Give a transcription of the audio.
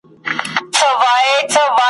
د رنګ او ښایست سیمه ده `